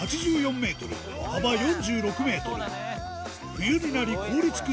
冬になり凍りつく